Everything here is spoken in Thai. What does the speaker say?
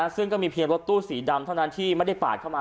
ซึ่งก็มีเพียงรถตู้สีดำเท่านั้นที่ไม่ได้ปาดเข้ามา